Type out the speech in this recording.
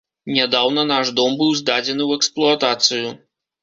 Нядаўна наш дом быў здадзены ў эксплуатацыю.